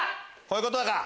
こういうことか！